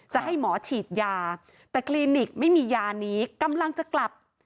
จะให้หมอฉีดยาแต่คลินิกไม่มียานี้กำลังจะกลับ